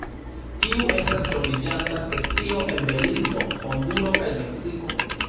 Tiu estas troviĝanta specio en Belizo, Honduro kaj Meksiko.